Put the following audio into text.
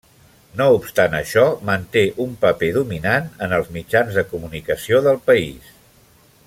No obstant això, manté un paper dominant en els mitjans de comunicació del país.